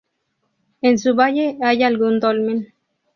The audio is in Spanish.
En su valle hay algún dolmen.